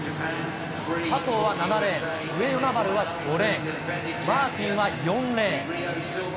佐藤は７レーン、上与那原は５レーン、マーティンは４レーン。